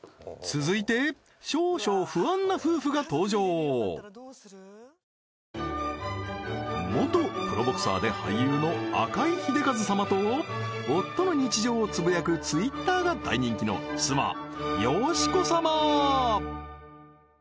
続いて少々不安な夫婦が登場元プロボクサーで俳優の赤井英和様と夫の日常をつぶやくＴｗｉｔｔｅｒが大人気の妻・佳子様